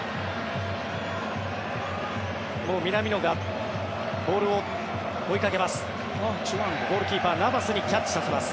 南野がボールを追いかけます。